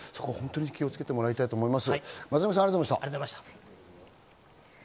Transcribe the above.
気をつけてもらいたいと思います。